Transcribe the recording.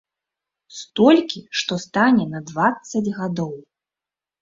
Столькі, што стане на дваццаць гадоў.